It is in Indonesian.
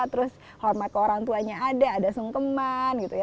terus hormat ke orang tuanya ada ada sungkeman gitu ya